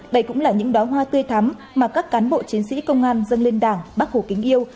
đây cũng là những đoá hoa tươi thắm mà các cán bộ chiến sĩ công an dâng lên đảng bác hồ kính yêu